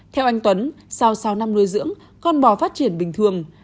theo anh tuấn sau sáu năm nuôi dưỡng con bò phát triển bình thường